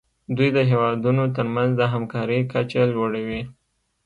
دوی د هیوادونو ترمنځ د همکارۍ کچه لوړوي